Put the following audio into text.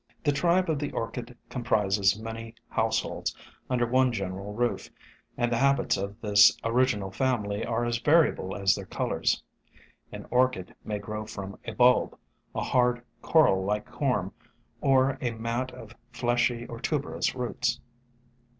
The tribe of the Orchid comprises many house holds under one general roof, and the habits of this original family are as variable as their colors. An Orchid may grow from a bulb, a hard, coral like corm, or a mat of fleshy or tuberous roots.